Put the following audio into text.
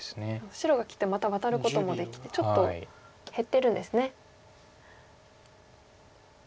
白が切ってもまたワタることもできてちょっと減ってるんですね。